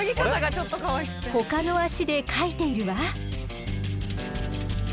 ほかの足でかいているわ。